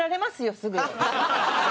すぐ。